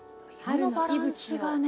色のバランスがね